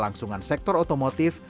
langsungan sektor otomotif